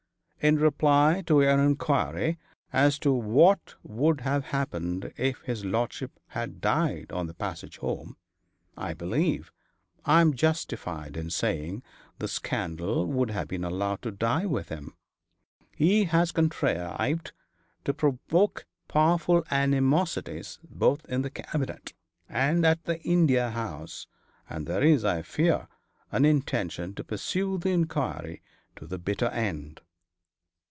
In reply to your inquiry as to what would have happened if his lordship had died on the passage home, I believe I am justified in saying the scandal would have been allowed to die with him. He has contrived to provoke powerful animosities both in the Cabinet and at the India House, and there is, I fear, an intention to pursue the inquiry to the bitter end.'